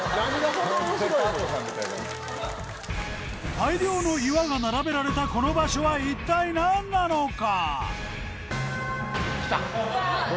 大量の岩が並べられたこの場所は一体何なのか？